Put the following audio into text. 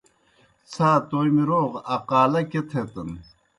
څھا تومیْ روغ اقالہ کیْہ تھیتَن؟۔